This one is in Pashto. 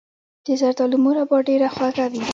د زردالو مربا ډیره خوږه وي.